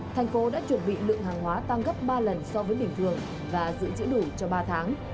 thành phố đã chuẩn bị lượng hàng hóa tăng gấp ba lần so với bình thường và giữ chữ đủ cho ba tháng